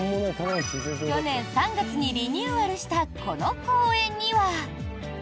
去年３月にリニューアルしたこの公園には。